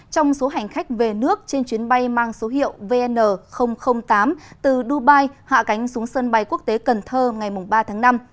trong số hành khách về nước trên chuyến bay mang số hiệu vn tám từ dubai hạ cánh xuống sân bay quốc tế cần thơ ngày ba tháng năm